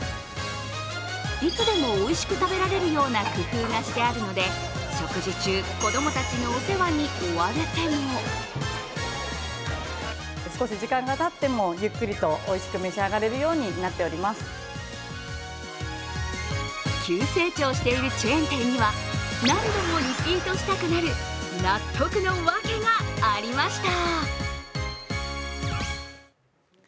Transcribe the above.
いつでもおいしく食べられるような工夫がしてあるので、食事中、子供たちのお世話に追われても急成長しているチェーン店には、何度もリピートしたくなる納得のワケがありました。